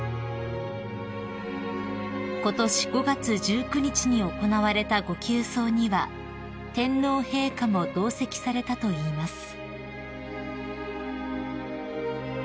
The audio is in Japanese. ［ことし５月１９日に行われたご給桑には天皇陛下も同席されたといいます］